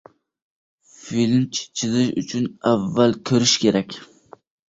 • Filni chizish uchun avval ko‘rish kerak.